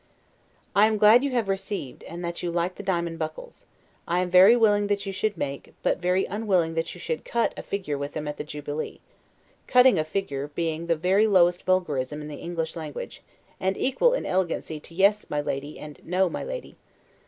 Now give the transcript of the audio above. I am glad you have received, and that you like the diamond buckles. I am very willing that you should make, but very unwilling that you should CUT a figure with them at the jubilee; the CUTTING A FIGURE being the very lowest vulgarism in the English language; and equal in elegancy to Yes, my Lady, and No, my Lady.